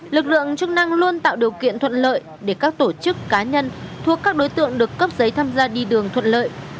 lực lượng chức năng luôn tạo điều kiện thuận lợi để các tổ chức cá nhân thuộc các đối tượng được cấp giấy tham gia đi đường thuận lợi